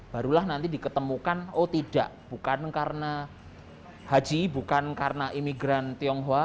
barulah nanti diketemukan oh tidak bukan karena haji bukan karena imigran tionghoa